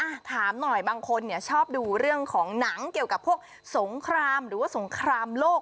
ถามหน่อยบางคนเนี่ยชอบดูเรื่องของหนังเกี่ยวกับพวกสงครามหรือว่าสงครามโลก